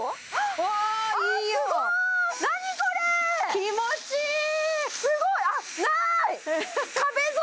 気持ちいい！